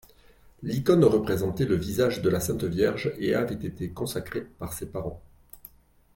L'icône représentait le visage de la Sainte-Vierge et avait été consacrée par ses parents.